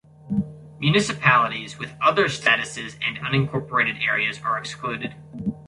Municipalities with other statuses and unincorporated areas are excluded.